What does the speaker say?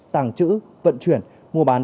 tàng trữ vận chuyển mua bán